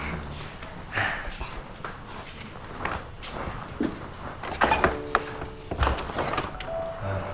ibu masih di rumah